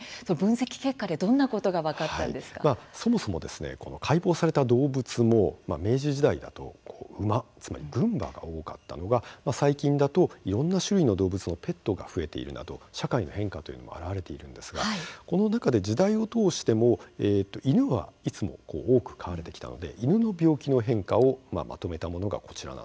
そもそもですね解剖された動物も、明治時代だと馬、つまり軍馬が多かったのが最近だと、いろんな種類の動物のペットが増えているなど社会の変化というのも現れているんですがこの中で時代を通しても、犬はいつも多く飼われてきたので犬の病気の変化をまとめたものがこちらなんです。